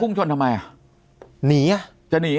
พุ่งชนทำไมอ่ะ